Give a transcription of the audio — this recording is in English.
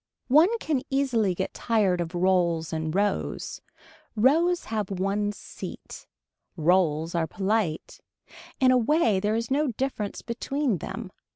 One can easily get tired of rolls and rows. Rows have one seat. Rolls are polite. In a way there is no difference between them.